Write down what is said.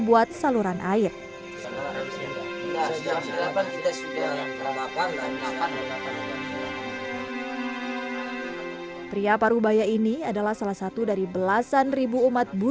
barulah kami sampai di dusun kecil bimbi